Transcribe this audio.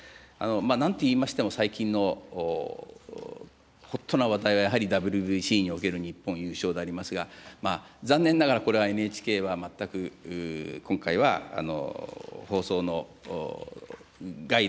なんといいましても、最近のホットな話題は、やはりＷＢＣにおける日本優勝でありますが、残念ながら、これはＮＨＫは全く今回は放送の外であったということであります。